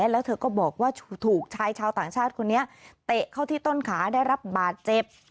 แล้วเธอก็บอกว่าถูกชายชาวต่างชาติคนนี้เตะเข้าที่ต้นขาได้รับบาดเจ็บ